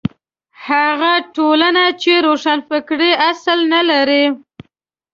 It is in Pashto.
هغه ټولنې چې روښانفکرۍ اصل نه لري.